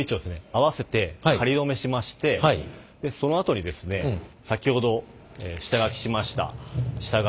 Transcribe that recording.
合わせて仮留めしましてそのあとにですね先ほど下書きしました下書きをですね